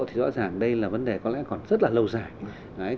thì rõ ràng đây là vấn đề có lẽ còn rất là lâu dài